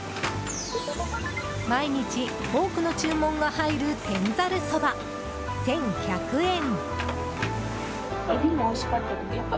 毎日多くの注文が入る天ざるそば、１１００円。